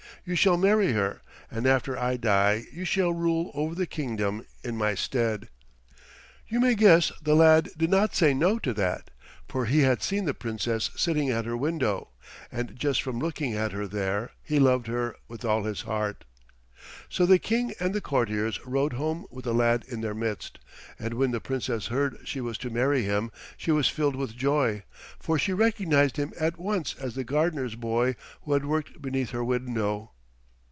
You shall marry her, and after I die you shall rule over the kingdom in my stead." You may guess the lad did not say no to that, for he had seen the Princess sitting at her window, and just from looking at her there he loved her with all his heart. So the King and the courtiers rode home with the lad in their midst, and when the Princess heard she was to marry him she was filled with joy, for she recognized him at once as the gardener's boy who had worked beneath her window.